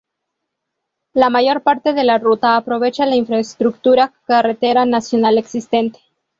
La mayor parte de la ruta aprovecha la infraestructura carretera nacional existente.